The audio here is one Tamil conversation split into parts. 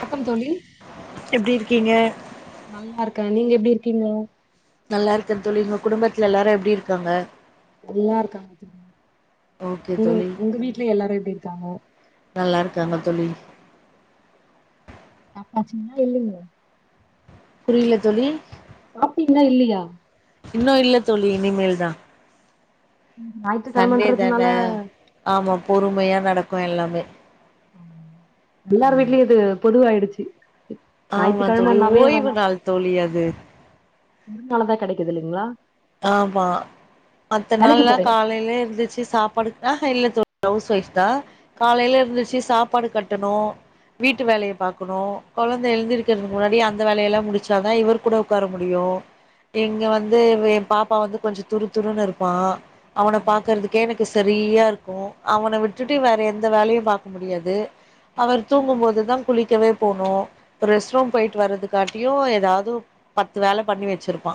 வணக்கம் தோழி எப்டி இருக்கீங்க நல்லா இருக்க நீங்க எப்டி இருக்கீங்க நல்லா இருக்க தோழி உங்க குடும்பத்துல எல்லாரு எப்டி இருக்காங்க நல்லா இருக்காங்க தோழி ஓகே உங்க வீ தோழி உங்க வீட்ல எல்லாரு எப்டி இருக்காங்க நல்லா இருக்காங்க தோழி சாப்டாச்சிங்ளா இல்லியே புரில தோழி சாப்டீங்லா இல்லையா இன்னு இல்ல தோழி இனிமேல் தா ம் நாய்து சண்டே தான ஆமா பொறுமையா நடக்கு எல்லாமே எல்லார் வீட்லயு இது பொதுவாய்டுச்சி ஆமா தோழி ஓய்வு நாள் தோழி அது ம் நாளதா கெடைக்குது இல்லைங்ளா ஆமா மத்த வேலைக்கு நாள்லா போறே காலைலே எந்திச்சி சாப்பாடு ஆஹா இல்ல தோழி ஹவுஸ் ஒயஃப் தா காலைல எந்திச்சி சாப்பாடு கட்டணு வீட்டு வேலைய பாக்கணு கொழந்த எழுந்திருக்கிறதுக்கு முன்னாடி அந்த வேலையெல்லா முடிச்சாதா இவர் கூட உக்கார முடியு இங்க வந்து வே பாப்பா வந்து கொஞ்சோ துரு துருன்னு இருப்பா அவன ஆமா பாக்கறதுக் கே எனக்கு சரியா இருக்கு அவன விட்டுட்டு வேற எந்த வலையு பாக்க முடியாது அவர் தூங்கும்போது தா குளிக்கவே போனு ஒரு ரெஸ்ட்ரூம் போய்ட்டு வர்றதுக்காட்டியு ஏதாது பத்து வேல பண்ணி வெச்சிருப்பா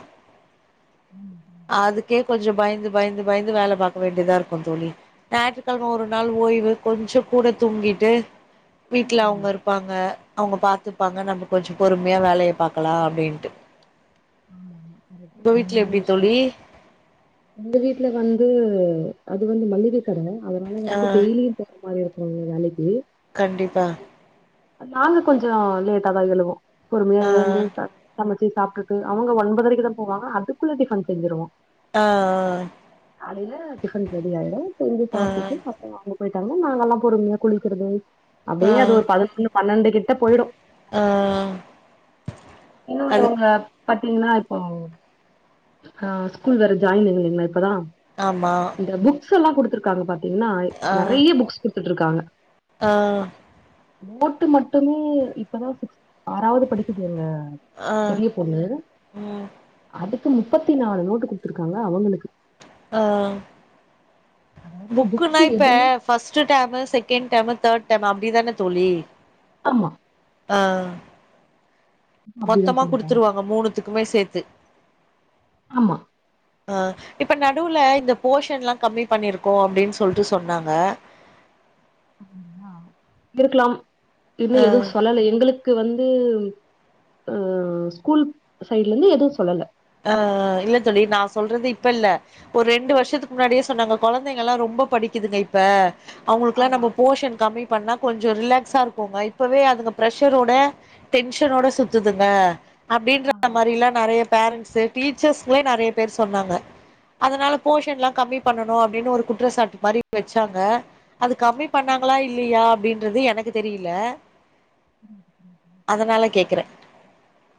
ம் அதுக்கே கொஞ்சோ பயந்து பயந்து பயந்து வேல பாக்க வேண்டியதா இருக்கு தோழி ஞாயிற்றுக்கெழம ஒரு நாள் ஓய்வு கொஞ்சோ கூட தூங்கிட்டு வீட்ல அவங்க ஆமா இருப் பாங்க அவங்க பாத்துப்பாங்க நம்ம கொஞ்சோ பொறுமையா வேலைய பாக்கலா அப்டின்ட்டு ஆமா ஆமா கரெக்ட்டு உங்க வீட்ல உண்மயான எப்டி விஷயோ தோழி எங்க வீட்ல வந்து அது வந்து மள்ளிக கட அதனால ஆ வந்து டெய்லி [unintelligible] மாதிரி இருக்கு வேலைக்கு கண்டிப்பா நாங்க கொஞ்சோ லேட்டாதா எழுவோ பொறுமையா ஆ எழுந்து ச சமச்சு சாப்ட்டுட்டு அவங்க ஒன்பதரைக்கு தா போவாங்க அதுக்குள்ள டிஃபன் செஞ்சுருவோ ஆ காலைல டிஃபன் ரெடி ஆய்டு செஞ்சு ஆ சாப்டுட்டு அவங்க போய்ட்டாங்கன்னா நாங்கெல்லா பொறுமையா குளிக்கிறது ஆ அப்டியே ஒரு பதினொன்னு பன்னெண்டு கிட்ட போய்டு ஆ இன்னு அது இவங்க பாத்தீங்கன்னா இப்போ ஆ ஸ்கூல் வேற ஜாய்ன் [unintelligible] இப்பதா ஆமா இந்த புக்ஸ் எல்லா குடுத்துருக்காங்க பாத்தீங்கன்னா ஆ நெறைய புக்ஸ் குடுத்துட்ருக்காங்க ஆ நோட்டு மட்டுமே இப்பதா சிக்ஸ் ஆறாவது படிக்குது எங்க ஆ பெரிய பொண்ணு ம் அது த்தோ முப்பத்தி நாலு நோட்டு குடுத்துருக்காங்க அவுங்களுக்கு ஆ அதாவது புக்குன்னா புக்கு இப்ப எதுவுமே first term second term third term அப்பிடி தானே தோழி ஆமா ஆ அப்டிதா மொத்தமா பண்ணிட்டாங்க குடுத்துருவாங்க மூணுத்துக்குமே சேத்து ஆமா ஆ இப்ப நடுவுல இந்த போர்ஷன் எல்லா கம்மி பண்ணியிருக்கோ அப்டின்னு சொல்ட்டு சொன்னாங்க ஆ இருக்கலாம் இன்னு ஆ எதுவு சொல்லல எங்களுக் கு வந்து அ ஸ்கூல் சைட்ல இருந்து எதுவு சொல்லல ஆ இல்ல தோழி நா சொல்றது இப்ப இல்ல ஒரு ரெண்டு ம், வருஷத்துக்கு முன்னாடியே சொன்னாங்க கொழந்தைங்கலா ரொம்ப படிக்குதுங்க இப்ப அவங்களுக்கெல்லா ஆமா நம்ம போஷன் கம்மி பண்ணா கொஞ்சோ ரிலாக்ஸா இருக்குங்க இப்பவே அதுங்க பிரஷரோட டென்ஷனோட சுத்துதுங்க ஆ அப்படின்ற மாரில்லா நறைய பேரண்ட்ஸ் ஸு டீச்சர்ஸ்ங்களே நெறைய பேர் சொன்னாங்க அதனால போஷன்ல்லா கம்மி பண்ணனு அப்பிடின்னு ஒரு குற்றச்சாட்டு மாரி வச்சாங்க அது கம்மி வச்சிருக்கலாம். பண்ணாங்களா இல்லையா அப்டின்றது எனக்கு தெரியல ம் ம் அதுனால கேக்குறே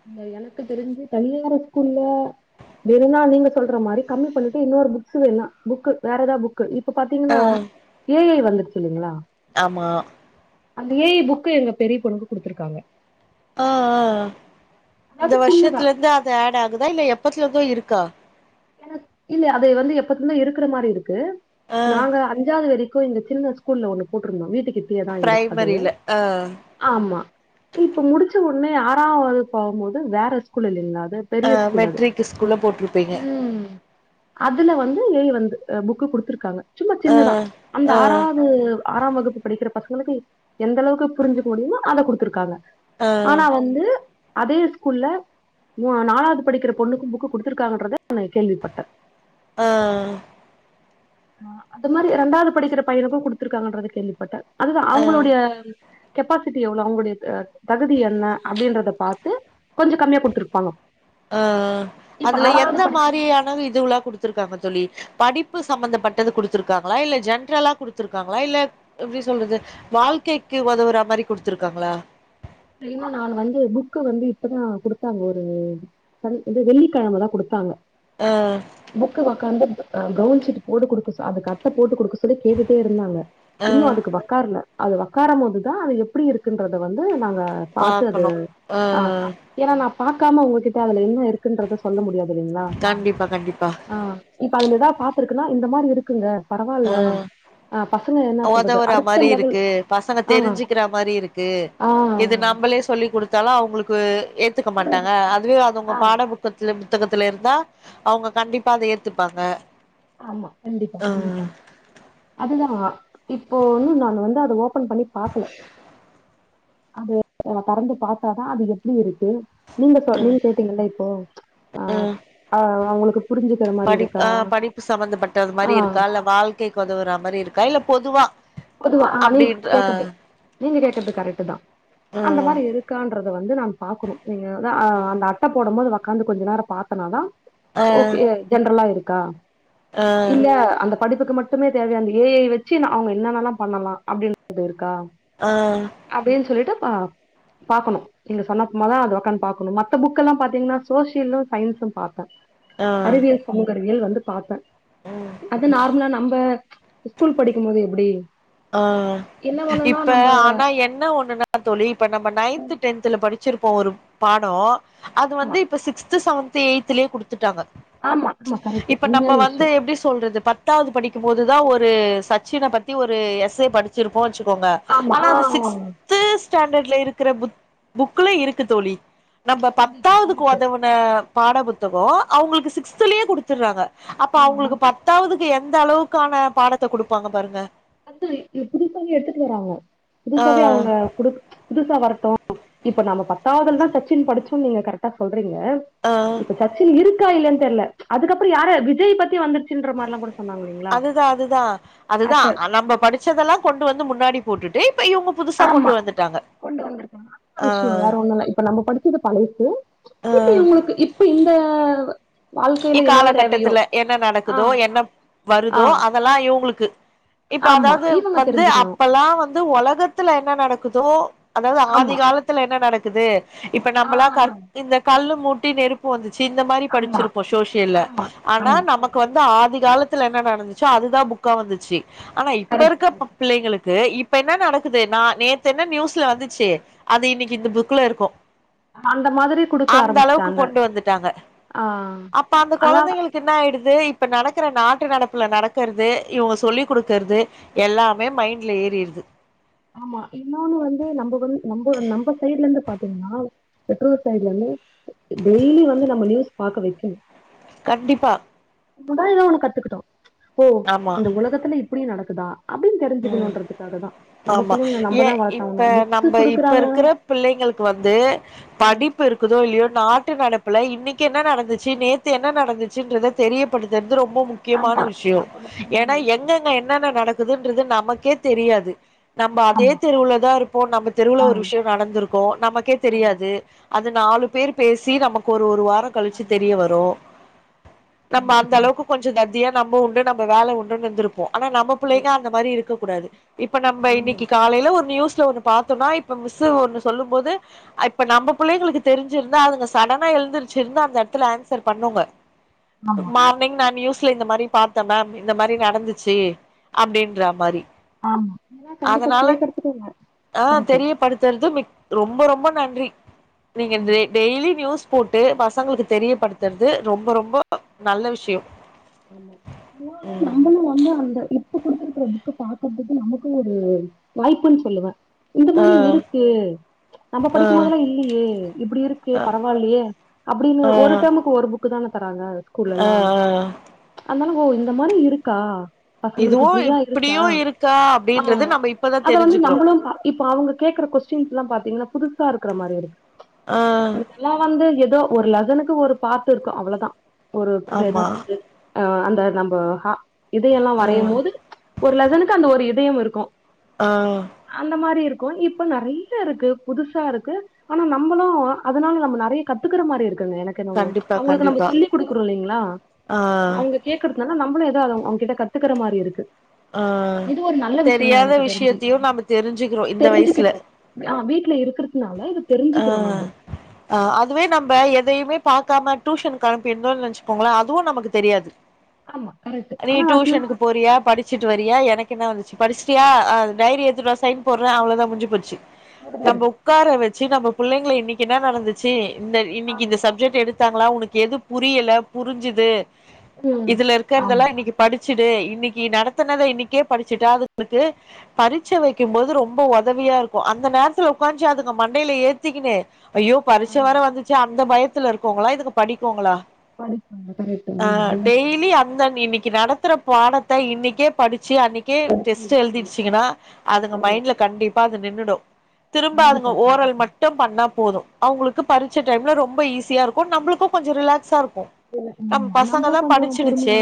இல்ல எனக்கு தெரிஞ்சு தனியார ஸ்கூல்ல வேணுன்னா நீங்க சொல்ற மாரி கம்மி பண்ணிட்டு இன்னொரு புக்ஸு வேணா புக்கு வேற எதாவது புக் க்கு இப்ப ஆ பாத்தீங்கன்னா ஏ ஐ வந்துருச்சு இல்லைங்களா ஆமா அந்த ஏ ஐ புக்கு எங்க பெரிய பொண்ணுக்கு குடுத்துருக்காங்க ஆ ஆ இந்த அதாவது சின்னதா வருஷத்துல இருந்து அது ஆட் ஆகுதா இல்ல எப்பத்துலருந்தோ இருக்கா எனக் இல்ல அது வந்து எப்பத்துலிருந்தோ இருக்குற மாரி இருக்கு ஆ நாங்க அ அஞ்சாவது வரிக்கு எங்க சின்ன ஸ்கூல்ல ஒண்ணு போட்ருந்தா வீட்டுக்கிட்டியேதா இரு அது பிரைமரில ஆ ஆமா இப்ப முடிச்ச ஒடனே ஆறாவது போம்போது வேற ஸ்கூலு இல்லீங்களா அது அ பெரிய ஸ்கூல் அது மெட்ரிக்கு ஸ்கூல்ல போட்டிருப்பீங்க ம் அதுல வந்து ஏ ஐ வந்து புக்கு குடுத்துருக்காங்க சும்மா ஆ சின்னதா அந்த ஆ ஆறாது ஆறாம் வகுப்பு படிக்கிற பசங்களுக்கு எந்த அளவுக்கு புரிஞ்சுக்க முடியுமோ அத குடுத்துருக்காங்க ஆ ஆனா வந்து அதே ஸ்கூல்ல ஊ நாலாவது படிக்கிற பொண்ணுக்கு புக்கு குடுத்துருக்காங்கன்றத நா கேள்விப்பட்டே ஆ ஆ அது மாதிரி ரெண்டாவது படிக்கிற பையனுக்கு குடுத்துருக்காங்கன்றத கேள்விப்பட்டே அதுதா ஆ அவுங்களுடைய கெப்பாசிட்டி எவ்ளோ அவங்களுடைய தகுதி என்ன அப்பிடின்றத பாத்து கொஞ்சோ கம்மியா குடுத்துருப்பாங்க அ அ இப்ப அதுல ஆறாவது எந்த படிக்கிற மாதிரியானது இதுவுல்லா குடுத்துருக்காங்க தோழி படிப்பு சம்பந்தப்பட்டது குடுத்துருக்காங்களா இல்ல ஜென்ரலா குடுத்துருக்காங்களா இல்ல எப்டி சொல்றது வாழ்க்கைக்கு ஒதவுரா மாரி குடுத்துருக்காங்களா அய்யோ நானு வந்து புக்கு வந்து இப்பதா குடுத்தாங்க ஒரு சனி இந்த வெள்ளிக்கெழமதா குடுத்தாங்க ஆ புக்கு உக்காந்து ப்ரவுன் சீட் போட்டு குடுக்க அதுக்கு அட்ட போட்டு கொடுக்க சொல்லி கேட்டுகிட்டே இருந்தாங்க ஆ இன்னு அதுக்கு வக்காரல அது வக்காரும் போதுதான் அது எப்படி இருக்குன்றத வந்து நாங்க பாத்து அத ஆ ஏன்னா நான் பாக்காம உங்ககிட்ட அதுல என்ன இருக்குன்றத சொல்ல முடியாது இல்லைங்களா கண்டிப்பா கண்டிப்பா ஆ இப்ப அதுல எதா பாத்துருக்குன்னா இந்த மாதிரி இருக்குங்க பரவால்ல ஆ பசங்க என்ன சொல்றது உதவுற அடுத்த மாரி லெவல் இருக்கு பசங்க ஆ தெரிஞ்சிக்கிற மாரி இருக்கு ஆ இது நாம நம்மளே சொல்லி கொடுத்தாலு அவுங்களுக்கு ஏத்துக்க மாட்டாங்க அதுவே அவுங்க ஆ பாட புக் த்துல புத்தகத்துல இருந்தா அவங்க கண்டிப்பா அத ஏத்துப்பாங்க ஆமா கண்டிப்பா ஆ கண்டிப்பா அதுதான் இப்போ இன்னும் நான் வந்து அத ஓபன் பண்ணி பாக்கல அது தெறந்து பாத்தாதான் அது எப்படி இருக்கு நீங்க சொ ம் நீங்க கேட்டீங்கள இப்போ ஆ ம் அவங்களுக்கு புரிஞ்சியிருக் படிப் ஆ படிப்பு சம்பந்தப்பட்ட ஆ மாதிரி இருக்கா இல்ல வாழ்க்கை உதவுற மாதிரி இருக்கா இல்ல பொதுவா பொதுவா ஆ நீங்க அப்டின்ற ஆ கேக்கறது நீங்க கேக்கறது கரெக்ட் தான் அந்த ம் மாதிரி இருக்கு ருக்கான்றத வந்து நானு பாக்கணும் நீங்க வந்து அ அந்த அட்ட போடும் போது வக்காந்து கொஞ்சோ நேரோ பார்த்தன்னாதா ஆ ஓகே ஜென்ரலா இருக்கா ஆ இல்ல அந்த படிப்புக்கு மட்டுமே தேவையானது ஏ ஐ வச்சு நா அவுங்க என்னென்னல்லாம் பண்ணலாம் அப்பிடின்றது இருக்கா ஆ அப்டின்னு சொல்லிட்டு பா பாக்கணு நீங்க சொன்னப்றம்மா தான் அத வக்காந்து பாக்கணு மத்த புக்கெல்லாம் பாத்தீங்கன்னா சோசியலும் சயின்ஸும் பாத்தே ஆ அறிவியல் சமூக அறிவியல் வந்து பார்த்தே ம் அது நார்மலா நம்ம ஸ்கூல் படிக்கும் போது எப்டி ஆ என்ன பண்ணுனா இப்ப நம்ப ஆனா என்ன ஒண்ணுன்னா தோழி இப்ப நம்ம நைன்த் டென்த்துல படிச்சிருப்போம் ஒரு பாடோ அது ஆமா வந்து இப்ப சிக்ஸ்த்து செவன்த் எய்ட்த்லயே குடுத்துட்டாங்க ஆமா ஆமா கரெக்ட் இப்ப நம்ப உண்மையான வந்து விஷயம் எப்டி சொல்றது ப பத்தாவது படிக்கும்போதுதான் ஒரு சச்சின பத்தி ஒரு எஸ் ஏ படி ச்சிருக்கோ வைச்சிக்கோங்க ஆமா ஆனா ஆ அது சிக்ஸ் க்ஸ்த் ஸ்டாண்டர்ட்ல இருக்கிற புத் புக்ல இருக்கு தோழி நம்ம கண்டிப்பா பத்தாவதுக்கு கரெக்ட் உதவன் ன பாட புத்தகோ அவங்களுக்கு சிக்ஸ்த்லே கொடுத்துற்றாங்க அப்ப ஆமா அவங்களுக்கு நம் பத்து பத்தாவதுக்கு எந்த அளவுக்கான பாடத்த குடுப்பாங்க பாருங்க அந்து இது புதுசாவே எடுத்துட்டு வராங்க ஆ புதுசாவே அவங்க குடுக் புதுசா வரட்டு இப்ப நம்ம பத்தாவதுல தான் சச்சின் படிச்சோம் நீங்க கரெக் கரெக்டா சொல்றீங்க ஆ இப்ப சச்சின் இருக்கா இல்லன்னு தெர்ல அதுக்கப்புறோ யார விஜய் பத்தி வந்து அதுதான் அதுதான் அதுதான் நம்ப படிச் படிச்சதெல்லாம் கொண்டு வந்து முன்னாடி போட்டுட்டு இப்ப இவங் ஆமா கொண்டு வந்திருக்காங்க நல்ல ஆ விஷயோ வேற ஒண்ணுல்ல இப்ப நம்ம படி படிச்சது பழசு இப்ப இவுங்களுக்கு இப்ப இந்த வாழ்க்கையில என்னென்ன தேவையோ இக்காலகட்டத்துல என்ன ஆ நடக்குதோ என்ன ஆ வருதோ அதெல்லாம் இவுங்களுக்கு இப்ப ஆமா அதாவது இவங்க வந்து தெரிஞ்சுக்கணு அப்பெல்லா வந்து வொலகத்துல என்ன நடக்குதோ அதாவது ஆதி ஆமா காலத்துல என்ன நடக்குது இப்ப ஆ நம்மளாம் க இந்த கல்லு மூட்டி நெருப்பு வந்துச்சி இந்த மாதிரி ஆமா படிச்சிருப்போ ஷோசியல்ல ஆமா ஆனா ஆமா நமக்கு கரெக்ட் வந்து ஆதி காலத்துல என்ன நடந்துச்சோ அதுதா புக்கா வந்துச்சி ஆனா இப்ப கரெக்ட் இருக்க கரெக்ட் பிப் பிள்ளைங்களுக்கு இப் இப்ப என்ன நடக்குது நான் நேத்து என்ன நியூஸ்ல வந்துச்சி அது இன்னைக்கு இந்த புக்ல இருக்கு அந்த மாதிரி குடுக்க அந்த அளவுக்கு ஆரம்பிச்சுட்டாங்க கொண்டு வந்துட்டாங்க ஆ அப்ப அந்த அதா கொழந்தைங்களுக்கு என்னயிடுது இப்ப நடக்கிற நாட்டு நடப்புல நடக்கறது இவங்க சொல்லி கொடுக்கறது எல்லாமே மைண்ட்ல ஏறிருது ஆமா இன்னொன்னு வந்து நம்ம வந்து நம்ம நம்ம சைட்ல இருந்து பாத்தீங்கன்னா பெற்றோர் சைடுல வந்து டெய்லி வந்து நம்ம நியூஸ் பாக்க வைக்குனு கண்டிப்பா புள்ளைகலு ஒன்னு கத்துக்கிட்டு ஓ ஆமா இந்த உலகத்துல இப்டி நடக்குதா அப்டின்னு தெரிஞ்சுக்கணுகின்றதுக்காகதா நம்ம ஆமா பிள்ளைங்க ஏ நம்மதா வளர்த்தாங்கணு இப்ப புக்ஸ்சு நம்ம இப்ப கொடுக்குறாங்க இருக்கிற பிள்ளைங்களுக்கு வந்து படிப்பு இருக் குதோ இல்லையோ நாட்டு நடப்புல இன்னைக்கு என்ன நடந்துச்சு நேத்து என்ன நடந்துச்சுன்னுறதா தெரியப்படுத்துறது ரொம்ப முக் ஆமா கியமான விஷயம் ரொம்ப முக்கியமான ஏன்னா விஷயம் எங்கங்க என்னென்ன நடக்குதுன்றது நமக்கே தெரியாது நம்ம அதே ஆமா தெருவுலதா இருப்போ நம்ம தெருவுல ஆ ஒரு விஷயம் நடந்திருக்கோ நமக்கே ஆமா தெரியாது அது நாலு பேர் பேசி நமக்கு ஒரு ஒரு வாரோ கழிச்சு ஆமா தெரிய வரு நம்ம கரெக்ட் அந்த கரெக்ட் அளவுக்கு கொஞ்சோ தத்தியா நம்ம உண்டு நம்ம வேல உண்டுன்னு இருந்திருப்போ ஆனா நம்ப சரி புள்ளைங்க அந்த மாரி இருக்கக்க கூடாது இப்ப நம்ம ஆமா இன்னைக்கு காலையில ஒரு நியூஸ்ல ஒன்னு பாத்தோம்னா இப்ப மிஸ்ஸு ஒண்ணு சொல்லும் போது இப்ப நம்ப புள்ளைங்களுக்கு தெரிஞ்சிருந்தா அதுங்க சடனா எழுந்தருச்சுருச்சு இருந்து அந்த இடத்துல ஆன்சர் பண்ணுங்க ஆமா மார்னிங் நா நியூஸ்ல இந்த மாரி பாத்தேன் மேம் இந்த மாரி நடந்துச்சி அப்படின்னு ன்றா மாரி ஆமா ஏன்னா கண்டிப்பா அதனால கேக்குறதுக்கு ஆ கரெக்ட் தெரியப்படுத்துறது மிக் ரொம்ப ரொம்ப நன்றி நீங்க ஆமா டெய் டெய்லி நியூஸ் போட்டு பசங்களுக்கு தெரியப்படுத்துறது ரொம்ப ரொம்ப நல்ல விஷயோ ஆமா இன்னொன்னு ம் நாம்மலு வந்து அந்த இப்ப குடுத்துருக்கிற புக்க பாக்கறதுக்கு நமக்கும் ஒரு வாய்ப்புன்னு சொல்லுவே இந்த ஆ மாரி இருக்கு நம்ம ஆ படிக்கும் போதுல இல்லையே இப்டி இருக்கே ஆ பரவாயில்லையே அப்டின்னு ஆ ஒரு டெம்க்கு ஒரு புக் புக்குதான தராங்க ஸ்கூல்ல ஆ எல்லா ஆ அதனால ஓ இந்த மாரி இருக்கா பசங்களுக்கு இதுவு இப்டியெல்லா இருக்கா இப்டியு இருக்கா ஆ அப்டின்றது நம்ம இப்பதா அத வந்து தெரிஞ்சுக்கிறோ நம்மளும் பா இப்ப அவுங்க கேக்குற கொஸ்டின்ஸ் எல்லா பாத்தீங்கன்னா புதுசா இருக்கற மாரி இருக்கு ஆ அதல்லா வந்து ஏதோ ஒரு லசனுக்கு ஒரு பார்ட்டு இருக்கு அவ்ளோதா ஒரு ஆ என்ன ஆமா சொல்றது ஆ அந்த நம்ம ஹா இதயயெல்லா ஆ வரையு போது ஒரு லெசனுக்கு அந்த ஒரு இதயம் இருக்கு ஆ அந்த மாரி இருக்கு இப்ப நெறையா இருக்கு புதுசா இருக்கு ஆனா நம்மளு அதனால நம்ம நெறையா கத்துக்கற மாதிரி இருக்குங்க எனக் கோனவோ கண்டிப்பா அவங்களுக்கு நம்ம கண்டிப்பா சொல்லி் கொடுக்குறோ இல்லைங்களா ஆ ஆ ஆ அவங்க கேக்குறதுனால நம்மளு ஏதாவது அவுங் அவுங்க கிட்ட கத்துக்கற மாதிரி இருக்கு ஆ இது ஒரு நல்ல விஷயம்தா தெரியாத எனக்கு தெரிஞ்சு விஷயத்தையு நம்ம தெரிஞ்சுக்கிறோ இந்த வயசுல தெரிஞ்சுக்கிட்டோ ஆ வீட்ல இருக்கிறதுனால இது ஆ தெரிஞ்சுக்கிறோ நம்ப அ அதுவே நம்ப எதையுமே பாக்காம டூசனுக்கு அனுப்பி இருந்தோ நினச்சிகோங்களே அதுவும் நமக்கு தெரியாது ஆமா கரெக்ட் நீ ஆனா டூசனுக்கு டியூஷன் போறியா படி ச்சிட்டு வறியா எனக்கு என்ன வந்துச்சு படிச்சிட்டியா ஆ டைரிய எடுத்துட்டு வா சைன் போட்றே அவ்ளதா முடிஞ்சு போச்சு நம்ப முடிஞ்சிருது உக்கார வச்சு நம்ப புள்ளைங்கள இன்னிக்கு என்ன நடந்துச்சு இந்த இன்னிக்கு இந்த ஆமா சப்ஜெக்ட் எடுத் தாங்களா உனக்கு எது புரியல புரிஞ்சது ம் இதுல ஆமா இருக்கறதெல்லா இன்னிக்கு படிச்சுடு இன்னிக்கு நடத்துத இன்னிக்கே படிச்சுட்டா அது உனக்கு பரிச்ச வைக்கும் போது ரொம்ப உதவியா இருக்கும் அந்த நேரத்துல உட்கான்ச்சு அதுங்க மண்டையில ஏத்திக்கினு ஐய்யோ பரீட்சை ஆமா வேற வந்துட்ச்சு அந்த பயத்துல இருக்குங்களா இதுங்க படிக்குங்ளா படிப்பாங்க கரெக்ட் அ ஆமா ஆமா டெய்லியு அந்தன் இன்னிக்கு நடந் நடத்தர பாடத்த இன்னிக்கே படிச்சு அன்னைக்கே படிச்சு டெஸ்ட் முடிச்சிருது எழுதிடுச்சிங்கன்னா அதுங்க ஆமா மைண்ட்ல கண்டிப் பா அது நின்னுடும் திரும்ப அதுங்க கண்டிப்பா ஓரல் கண்டிப்பா மட் டும் பண்ணா போதும் அவங்களுக்கு பரிச்ச டைம்ல ரொம்ப ஈஸியா இருக்கும் நம்ளுக்கும் கொஞ்சோ ரிலாக்ஸா இருக்கும் நம் ஆமா பசங்க நம்மளு தா கொஞ்சோ படிச்சிடுச்சே பொறுமையா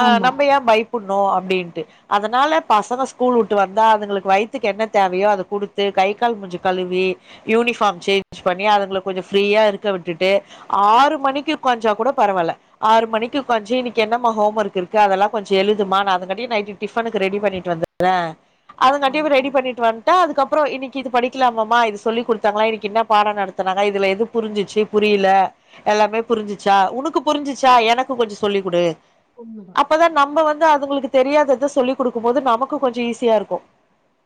அ ஆமா நம்ப ஏன் பய்பட்ணும் அப்டின்ட்டு அதனால பசங்க ஸ்கூல் உட்டு வந்தா அதுங்களுக்கு வயித்துக்கு என்ன தேவையோ அத குடுத்து கை கால் முஞ்சு கழுவி யூனிஃபார்ம் சேஞ்ச் பண்ணி அதுங்கள கொஞ்சோ ஃப்ரீயா இருக்க விட்டுட்டு ஆறு மணிக்கு உக்காஞ்சா கூட பரவால்ல ஆறு மணிக்கு உக்காஞ்சி இன்னிக்கு என்னம்மா ஹோம் ஒர்க் இருக்கு அதெல்லா கொஞ்சோ எழுதுமா நா அதகாட்டி நைட்டு டிஃபனுக்கு ரெடி ஆமா பண்ணிட்டு வந்தட்றே அதங்காட்டி ஆமா இவ ரெடி கரெக்ட் பண்ணிட்டு வன்ட்டா அதுக்கப்பறோ இன்னிக்கு இது படி க்கலாமாமா இது சொல்லி குடுத்தாங்களா இன்னிக்கி என்னா பாடம் நடத்துனாங்க இதுல எது புரிஞ்சுச்சி புரியல எல்லாமே புரிஞ்சிச்சா உனக்கு புரிஞ்சிச்சா எனக்கும் கொஞ்சோ சொல்லி்குடு உண்மதா அப்பதா நம்ப வந்து அதுங்களுக்கு தெரியாதத சொல்லிக் குடுக்கும் போது நமக்கும் கொஞ்சோ ஈஸியா இருக்கும்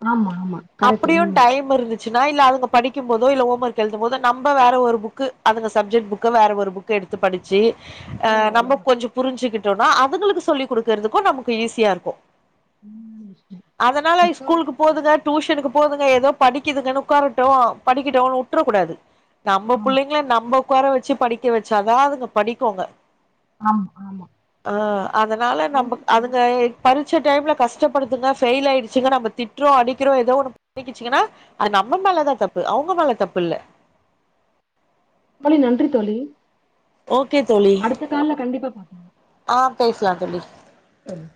ஆமா ஆமா கரெக்ட் அப்டியும் உண்ம டைம் இருந்து ச்சின்னா இல்ல அதுங்க படிக்கும் போதோ இல்ல ஹோம் ஓர்க் எழுதும் போதோ நம்ப வேற ஒரு புக்கு அதுங்க சப்ஜெக்ட் புக்க வேற ஒரு புக் க எடுத்து படிச்சி அ உண்ம நம்ம உண்ம கொஞ்சோ புரிஞ்சுக்கிட்டோனா அதுங்களுக்கு சொல்லி் குடுக்கறதுக்கும் நமக்கு ஈஸியா இருக்கும் உண்மையான விஷயோ அதனால ஸ் தோழி ஸ்கூலுக்கு போதுங்க டியூஷனுக்கு போதுங்க ஏதோ படி க்குதுங்கன்னு உக்காரட்டும் படிக்கிட்டும் உட்றக்கூடாது நம்ப ஆமா புள்ளைங்கள நம்ப உக்கார வச்சு படிக்க வச்சதா அதுங்க படிக்குங்க ஆமா ஆமா அ அதனால நன்றி நம்மக் தோழி அதுங்க பரீச்ச டைம்ல கஷ்டப்படுதுங்க ஃபெயில் ஆயிடுச்சுங்க நம்ம திட்டுறோ அடிக்கிறோ ஏதோ ஒண்ணு பண்ணிகிச்சுங்கன்னா அது நம்ம மேலதா தப்பு அவங்க மேல தப்பு இல்ல அம்பளி நன்றி தோழி ஓகே தோழி அடுத்த கால்ல கண்டிப்பா பாக்கலா அ பேஸ்லா தோழி ம்